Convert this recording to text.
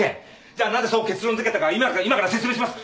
じゃあなぜそう結論づけたか今から説明します！